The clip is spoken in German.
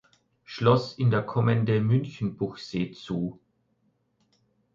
Schloss in der Kommende Münchenbuchsee zu.